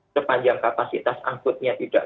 sepanjang kapasitas angkutnya tidak